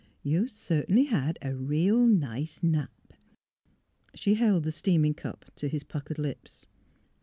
" You cert'nly had a reel nice nap." She held the steaming cup to his puckered lips.